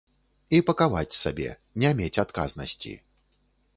І пакаваць сабе, не мець адказнасці.